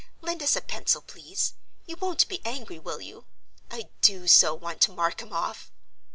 Lend us a pencil, please—you won't be angry, will you? I do so want to mark 'em off."